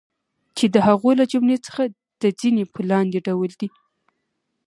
چی د هغو له جملی څخه د ځینی په لاندی ډول دی